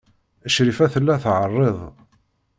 Crifa tella tɛerreḍ.